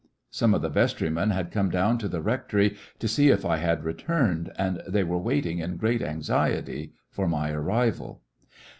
Some of the vestry men had come down to the rectory to see if I had returned, and they were waiting in great anxiety for my arrival.